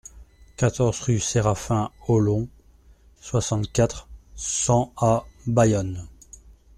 quatorze rue Séraphin Haulon, soixante-quatre, cent à Bayonne